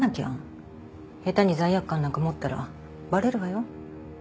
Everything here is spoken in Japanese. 下手に罪悪感なんか持ったらバレるわよ。